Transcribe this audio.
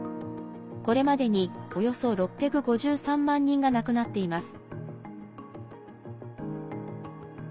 これまでに、およそ６５３万人が亡くなっています。